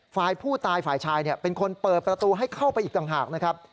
ฝ่ายผู้ตายฝ่ายชายเป็นคนเปิดประตูให้เข้าไปอีกต่างหากนะครับ